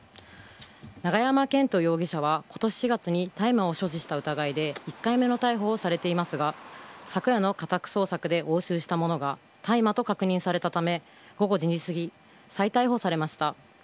永山絢斗容疑者は今年４月に大麻を所持した疑いで１回目の逮捕をされていますが昨夜の家宅捜索で押収したものが大麻と確認されたため午後２時過ぎ、再逮捕されました。